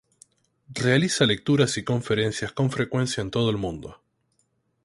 Realiza lecturas y conferencias con frecuencia en todo el mundo.